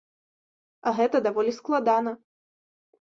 А гэта даволі складана.